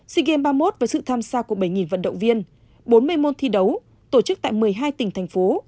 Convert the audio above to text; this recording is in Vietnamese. sea games ba mươi một với sự tham gia của bảy vận động viên bốn mươi môn thi đấu tổ chức tại một mươi hai tỉnh thành phố